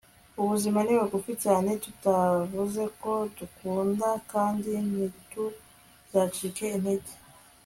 ubuzima ni bugufi cyane tutavuze ko tugukunda kandi ntituzacika intege